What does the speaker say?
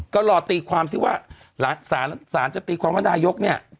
ก็รอตีความสิว่าสารจะตีความว่านายกเนี่ย